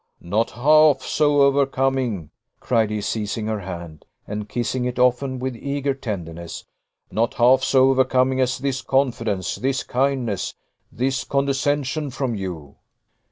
"Not half so overcoming," cried he, seizing her hand, and kissing it often with eager tenderness, "not half so overcoming as this confidence, this kindness, this condescension from you."